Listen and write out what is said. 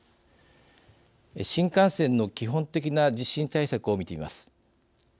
新幹線の基本的な地震対策を見てみます。